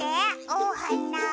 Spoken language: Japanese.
おはな！